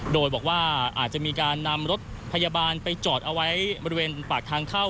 โดยบอกว่าอาจจะมีการนำรถพยาบาลไปจอดเอาไว้บริเวณปากทางเข้า